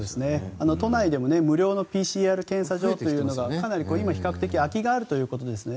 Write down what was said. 都内でも無料のＰＣＲ検査場がかなり今、比較的空きがあるということですね。